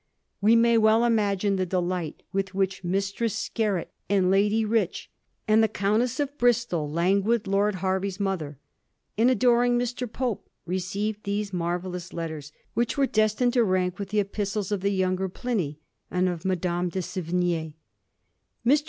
We may well imagine the delight with which Mistress Skerret, and Lady Rich, and the Countess of Bristol, languid Lord Hervey's mother, and adoring Mr. Pope received these marvellous letters, which were destined to rank with the epistles of the younger Pliny and of Madame de S^vign6. Mr.